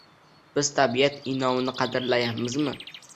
Biz tabiat in’omini qadrlayapmizmi?!